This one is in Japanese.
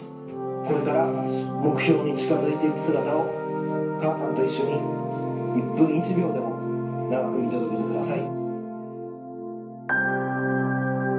これから目標に近づいていく姿を母さんと一緒に一分一秒でも長く見届けてください。